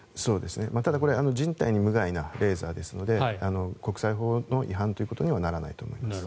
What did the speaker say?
ただ、これは人体に無害なレーザーなので国際法に違反ということにはならないと思います。